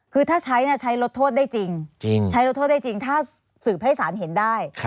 คือถ้าใช้ใช้ลดโทษได้จริงใช้ลดโทษได้จริงถ้าสืบให้สารเห็นได้